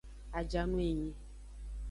Ajanu enyi.